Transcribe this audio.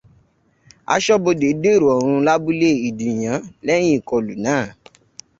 Aṣọ́bodè dèrò ọ̀rùn lábúlé Ìdìyán lẹ́yìn ìkọlù náà.